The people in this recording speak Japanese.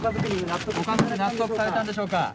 納得されたんでしょうか？